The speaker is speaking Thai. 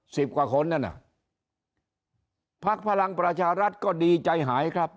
สิบกว่าคนนั่นน่ะพักพลังประชารัฐก็ดีใจหายครับ